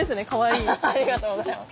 ありがとうございます。